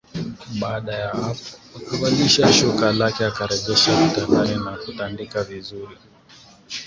Baada ya hapo akalivalisha shuka lake akarejesha kitandani na kutandika vizuri